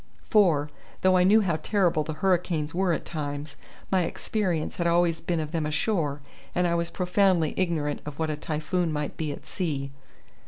For, though I knew how terrible the hurricanes were at times, my experience had always been of them ashore, and I was profoundly ignorant of what a typhoon might be at sea.